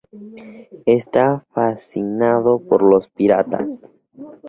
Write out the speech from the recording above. Está fascinado por los piratas.